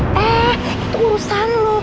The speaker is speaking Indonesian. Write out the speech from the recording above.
eh itu urusan lo